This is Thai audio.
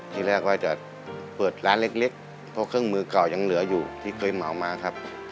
ที่แรกว่าจะเปิดร้านเล็กเพราะเครื่องมือเก่ายังเหลืออยู่ที่เคยเหมามาครับ